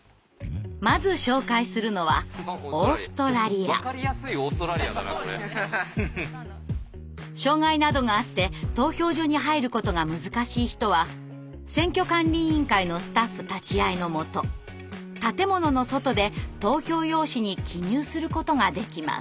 まず紹介するのは障害などがあって投票所に入ることが難しい人は選挙管理委員会のスタッフ立ち会いのもと建物の外で投票用紙に記入することができます。